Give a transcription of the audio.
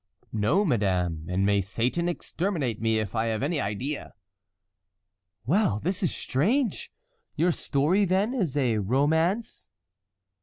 "No, madame, and may Satan exterminate me if I have any idea!" "Well this is strange! your story, then, is a romance?"